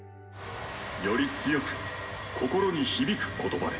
より強く心に響く言葉で。